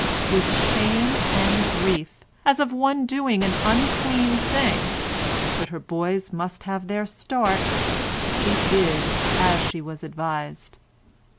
With shame and grief, as of one doing an unclean thing—but her boys must have their start—she did as she was advised.